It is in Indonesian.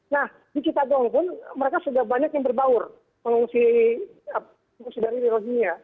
nah di cipagong pun mereka sudah banyak yang berbaur mengungsi dari rohingya